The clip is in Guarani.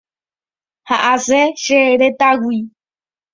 Ha asẽ che retãgui.